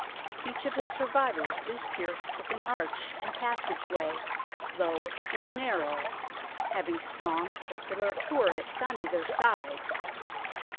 Each of the survivors is pierced with an arch and passage way, low and narrow, having strong circular turrets on either side.